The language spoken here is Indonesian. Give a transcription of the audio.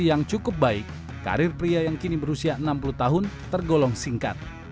yang cukup baik karir pria yang kini berusia enam puluh tahun tergolong singkat